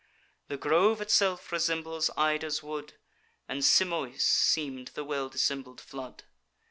The grove itself resembles Ida's wood; And Simois seem'd the well dissembled flood.